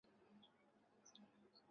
绵羊饲养普通。